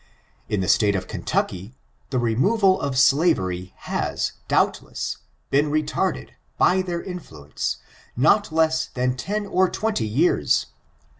In the state of Ken tucky, the removal of slavery has, doubtless, been re tarded, by their influence, not less than ten or twenty years.